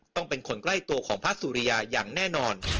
ต้องเป็นคนใกล้ตัวของพระสุริยาอย่างแน่นอน